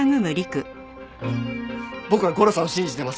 僕はゴロさんを信じてます。